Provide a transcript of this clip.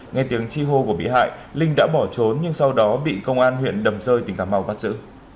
nghe tiếng chi hô của bị hại linh đã bỏ trốn nhưng sau đó bị công an huyện đầm rơi tỉnh cà mau bắt giữ